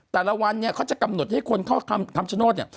แต่ละวันเนี่ยเขาจะกำหนดให้คนเข้าคำชโนธเนี่ย